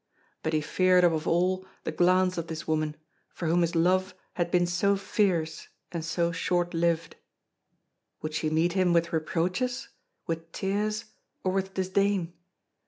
But he feared above all the glance of this woman, for whom his love had been so fierce and so short lived. Would she meet him with reproaches, with tears, or with disdain?